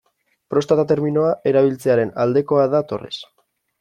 Prostata terminoa erabiltzearen aldekoa da Torres.